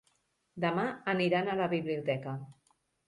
Demà aniran a la biblioteca.